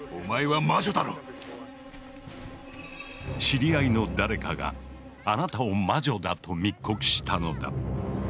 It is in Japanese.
知り合いの誰かがあなたを魔女だと密告したのだ。